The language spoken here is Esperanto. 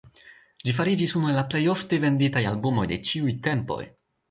Ĝi fariĝis unu el la plej ofte venditaj albumoj de ĉiuj tempoj.